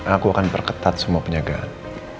aku akan perketat semua penjagaan